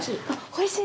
おいしい？